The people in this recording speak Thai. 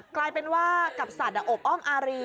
กลายเป็นว่ากับสัตว์อบอ้อมอารี